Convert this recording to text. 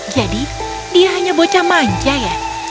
jadi dia hanya bocah manja ya